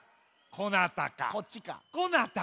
こなたか。